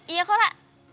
iya kok ra